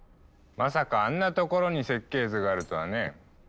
まさかあんな所に設計図があるとはね。